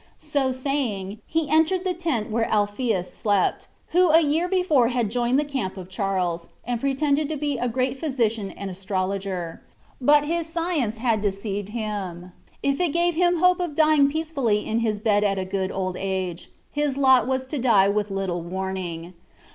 So saying, he entered the tent where Alpheus slept, who a year before had joined the camp of Charles, and pretended to be a great physician and astrologer. But his science had deceived him, if it gave him hope of dying peacefully in his bed at a good old age; his lot was to die with little warning.